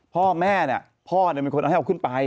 พ่อแม่เนี่ยพ่อเป็นคนเอาให้เอาขึ้นไป